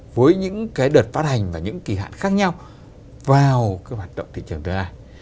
với những cái đợt phát hành và những kỳ hạn khác nhau vào cái hoạt động thị trường tương lai